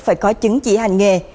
phải có chứng chỉ hành nghề